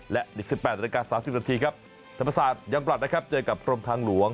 และ๑๘นาที๓๐นาทีครับถ้าประสาทยังปรับนะครับเจอกับพรมทางหลวง